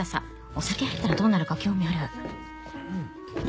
お酒入ったらどうなるか興味ある。